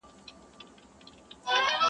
• څه همت څه ارادې څه حوصلې سه,